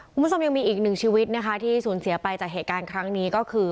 คุณผู้ชมยังมีอีกหนึ่งชีวิตนะคะที่สูญเสียไปจากเหตุการณ์ครั้งนี้ก็คือ